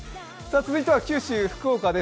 続いては九州・福岡です。